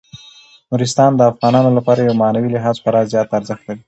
نورستان د افغانانو لپاره په معنوي لحاظ خورا زیات ارزښت لري.